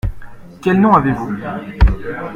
Quel nom avez-vous ?